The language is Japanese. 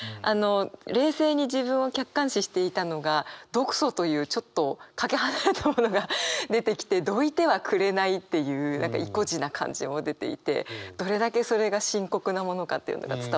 冷静に自分を客観視していたのが「毒素」というちょっとかけ離れたものが出てきて「どいてはくれない」っていういこじな感じも出ていてどれだけそれが深刻なものかというのが伝わってくるなと思いました。